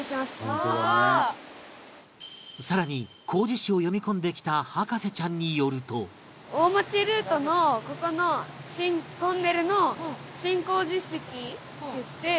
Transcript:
さらに工事誌を読み込んできた博士ちゃんによると大町ルートのここのトンネルの進行実績っていって。